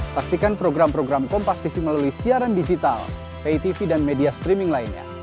saksikan program program kompas tv melalui siaran digital pay tv dan media streaming lainnya